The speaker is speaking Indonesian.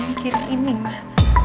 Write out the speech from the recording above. mikirin ini mah